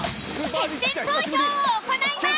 決選投票を行います。